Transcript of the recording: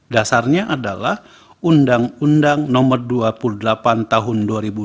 dasarnya adalah undang undang nomor dua puluh delapan tahun dua ribu dua puluh